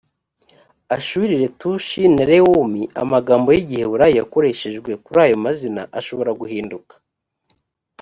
ashuri letushi na lewumi amagambo y’igiheburayo yakoreshejwe kuri ayo mazina ashobora guhinduka